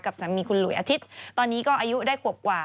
สามีคุณหลุยอาทิตย์ตอนนี้ก็อายุได้ขวบกว่า